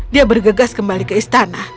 dia bergegas kembali ke istana